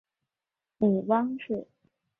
母汪氏。